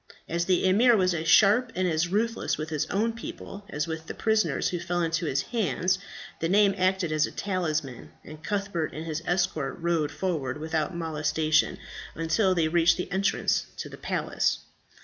As the emir was as sharp and as ruthless with his own people as with the prisoners who fell into his hands, the name acted as a talisman, and Cuthbert and his escort rode forward without molestation until they reached the entrance to the palace.